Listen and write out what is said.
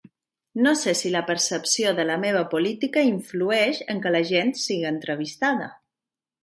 No sé si la percepció de la meva política influeix en que la gent sigui entrevistada.